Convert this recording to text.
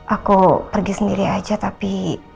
aku pergi sendiri aja tapi